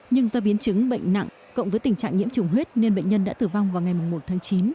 nhưng do biến chứng bệnh nặng cộng với tình trạng nhiễm chủng huyết nên bệnh nhân đã tử vong vào ngày một tháng chín